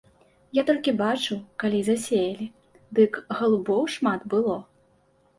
Я толькі бачыў, калі засеялі, дык галубоў шмат было.